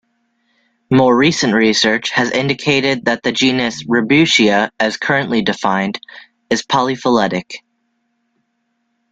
More recent research has indicated that the genus "Rebutia" as currently defined is polyphyletic.